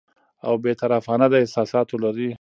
او بې طرفانه، د احساساتو لرې